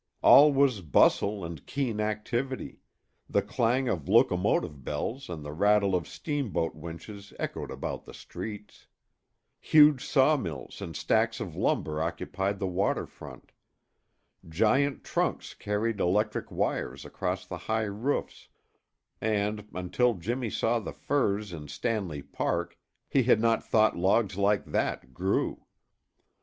All was bustle and keen activity; the clang of locomotive bells and the rattle of steamboat winches echoed about the streets. Huge sawmills and stacks of lumber occupied the water front. Giant trunks carried electric wires across the high roofs, and, until Jimmy saw the firs in Stanley Park, he had not thought logs like that grew.